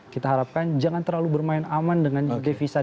kita harapkan jangan terlalu bermain aman dengan devisa